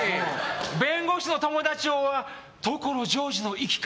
弁護士の友達ｏｒ所ジョージの生き方？